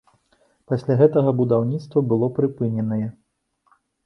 Пасля гэтага будаўніцтва было прыпыненае.